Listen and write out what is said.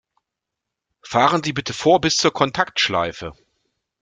Fahren Sie bitte vor bis zur Kontaktschleife!